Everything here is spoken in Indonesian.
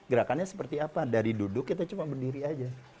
gerakannya seperti apa dari duduk kita cuma berdiri aja